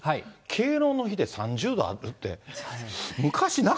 敬老の日で３０度あるって。